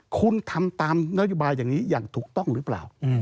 คุณทำตามนโยบายอย่างนี้อย่างถูกต้องหรือเปล่า